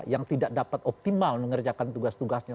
yang tidak dapat optimal mengerjakan tugas tugasnya